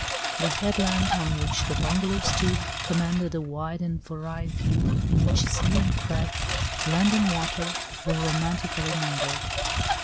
The headland, on which the bungalow stood, commanded a wide and varied view, in which sea and crag, land and water were romantically mingled.